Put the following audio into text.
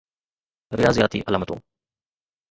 رياضياتي علامتون